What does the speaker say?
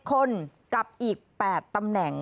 คนกับอีก๘ตำแหน่ง